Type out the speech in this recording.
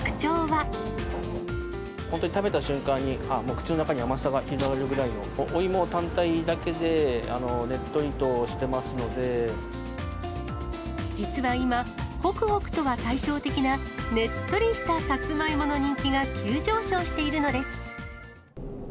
本当に食べた瞬間に、口の中に甘さが広がるくらいの、お芋単体だけでねっとりとしてま実は今、ほくほくとは対照的なねっとりしたさつまいもの人気が急上昇しているのです。